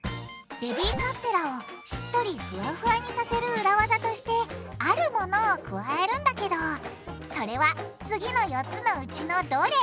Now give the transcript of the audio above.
ベビーカステラをしっとりフワフワにさせる裏ワザとして「あるもの」を加えるんだけどそれは次の４つのうちのどれ？